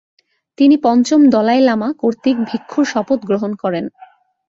তিনি পঞ্চম Dalai Lama কর্তৃক ভিক্ষুর শপথ গ্রহণ করেন।